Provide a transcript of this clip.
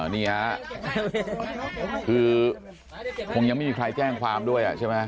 นี่ฮะคือคงยังไม่มีใครแจ้งความด้วยใช่ไหม